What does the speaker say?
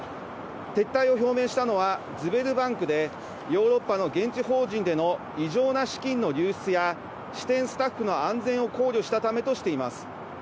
撤退を表明したのは、ズベルバンクで、ヨーロッパの現地法人での異常な資金の流出や、支店スタッフの安全を考慮したためとしています。